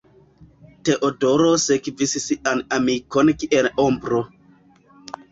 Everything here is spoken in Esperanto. Teodoro sekvis sian amikon kiel ombro.